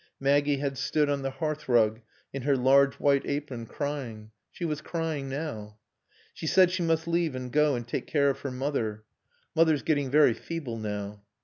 Maggie had stood on the hearthrug, in her large white apron, crying. She was crying now. She said she must leave and go and take care of her mother. "Mother's getting very feeble now."